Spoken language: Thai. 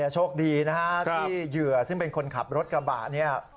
โชคดีนะฮะที่เหยื่อซึ่งเป็นคนขับรถกระบะเนี่ย